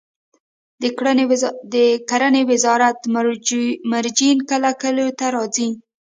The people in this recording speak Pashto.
د کرنې وزارت مروجین کله کلیو ته راځي؟